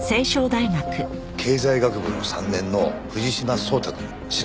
経済学部の３年の藤島颯太くん知らない？